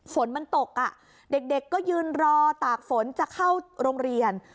ฝนมันตกอ่ะเด็กก็ยืนรอตากฝนจะเข้าโรงเรียน